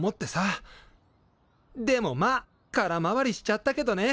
でもまあ空回りしちゃったけどね！